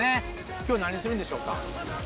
今日何するんでしょうか。